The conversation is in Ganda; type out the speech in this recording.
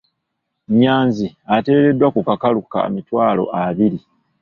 Nyanzi ateereddwa ku kakalu ka mitwalo abiri.